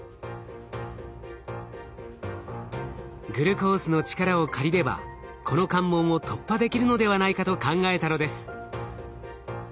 グルコースの力を借りればこの関門を突破できるのではないかと考えたのです。